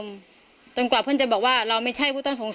ถ้าใครอยากรู้ว่าลุงพลมีโปรแกรมทำอะไรที่ไหนยังไง